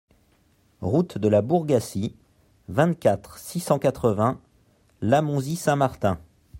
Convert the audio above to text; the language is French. Route de la Bourgatie, vingt-quatre, six cent quatre-vingts Lamonzie-Saint-Martin